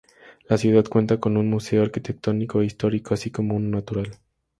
La ciudad cuenta con un museo arquitectónico e histórico así como uno natural.